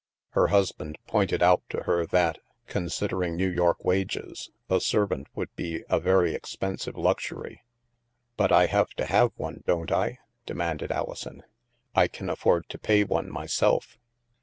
Her husband pointed out to her that, con sidering New York wages, a servant would be a very expensive luxury. " But I have to have one, don't I ?" demanded Alison. " I can afford to pay one, myself."